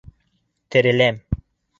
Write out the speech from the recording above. Тереләм!